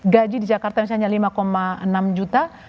gaji di jakarta misalnya lima enam juta